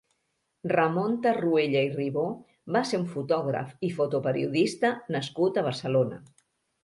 Ramon Tarruella i Ribó va ser un fotògraf i fotoperiodista nascut a Barcelona.